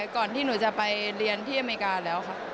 ก่อนที่หนูจะไปเรียนที่อเมริกาแล้วค่ะ